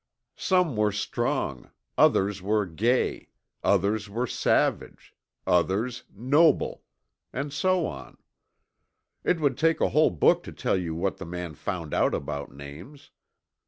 Some were Strong; others were Gay; others were Savage; others Noble. And so on. It would take a whole book to tell you what that man found out about names.